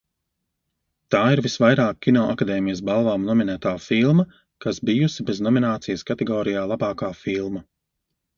"Tā ir visvairāk Kinoakadēmijas balvām nominētā filma, kas bijusi bez nominācijas kategorijā "Labākā filma"."